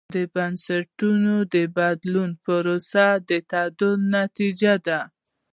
د بنسټونو د بدلون پروسه د تعامل نتیجه ده.